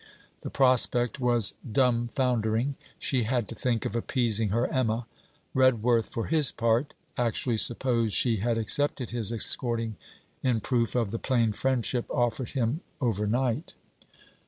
The prospect was dumb foundering. She had to think of appeasing her Emma. Redworth, for his part; actually supposed she had accepted his escorting in proof of the plain friendship offered him overnight.